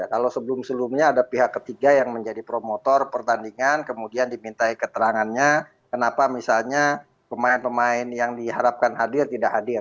kalau sebelum sebelumnya ada pihak ketiga yang menjadi promotor pertandingan kemudian dimintai keterangannya kenapa misalnya pemain pemain yang diharapkan hadir tidak hadir